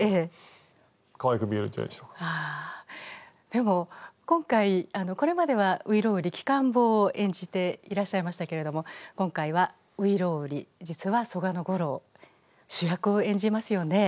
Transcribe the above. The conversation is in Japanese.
でも今回これまでは「外郎売」貴甘坊を演じていらっしゃいましたけれども今回は外郎売実は曽我五郎主役を演じますよね。